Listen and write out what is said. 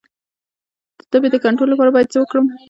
د تبې د کنټرول لپاره باید څه وکړم؟